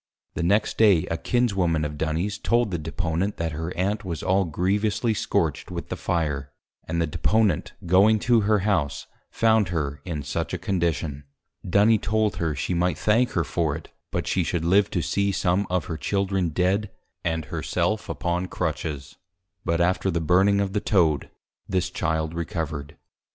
The next Day a Kinswoman of Duny's, told the Deponent, that her Aunt was all grievously scorch'd with the Fire, and the Deponent going to her House, found her in such a Condition. Duny told her, she might thank her for it; but she should live to see some of her Children Dead, and her self upon Crutches. But after the Burning of the Toad, this Child Recovered.